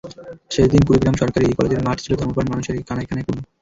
শেষ দিন কুড়িগ্রাম সরকারি কলেজের মাঠ ছিল ধর্মপ্রাণ মানুষে কানায় কানায় পূর্ণ।